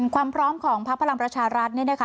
ความพร้อมของพักพลังประชารัฐเนี่ยนะคะ